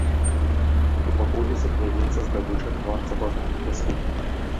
У ваколіцах вядзецца здабыча кварцавага пяску.